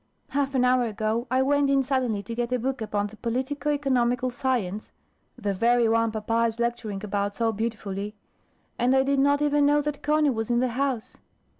Half an hour ago, I went in suddenly to get a book upon the politico economical science, the very one papa is lecturing about so beautifully; and I did not even know that Conny was in the house.